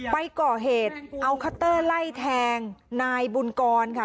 ไปก่อเหตุเอาคัตเตอร์ไล่แทงนายบุญกรค่ะ